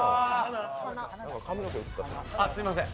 すいません。